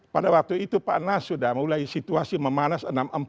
pada waktu itu pak nas sudah mulai situasi memanas enam puluh empat